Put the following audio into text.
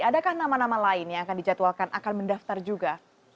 adakah nama nama lain yang akan dijadwalkan akan mendaftar juga